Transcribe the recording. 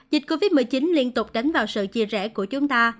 dịch covid một mươi chín liên tục đánh vào sự chia rẽ của chúng ta